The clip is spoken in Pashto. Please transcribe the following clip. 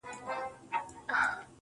ها د فلسفې خاوند ها شتمن شاعر وايي~